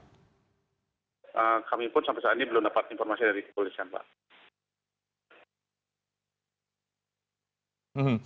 kami pun sampai saat ini belum dapat informasi dari kepolisian pak